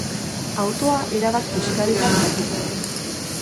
Autoa erabat kiskalita geratu da.